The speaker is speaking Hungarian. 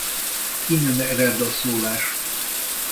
Innen ered a szólás.